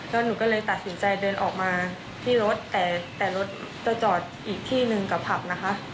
แล้วหนูก็เลยตัดสินใจเดินออกมาที่รถแต่รถจะจอดอีกที่หนึ่งกับผับนะคะ